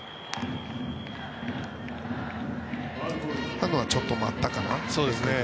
今のはちょっと待ったかな。